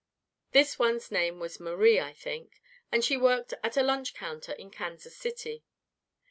This one's name was Marie, I think, and she worked at a lunch counter in Kansas City.